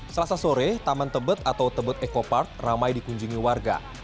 selasa sore taman tebet atau tebet eco park ramai dikunjungi warga